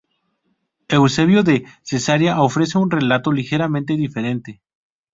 Eusebio de Cesarea ofrece un relato ligeramente diferente.